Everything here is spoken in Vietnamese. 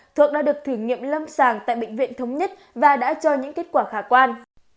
thuốc đã được thử nghiệm lâm sàng tại bệnh viện thống nhất và đã cho những kết quả khả quan